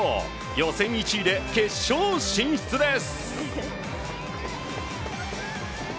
予選１位で決勝進出です。